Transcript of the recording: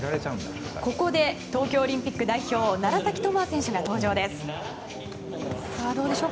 ここで東京オリンピック代表楢崎智亜選手が登場です。